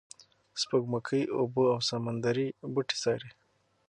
سپوږمکۍ اوبه او سمندري بوټي څاري.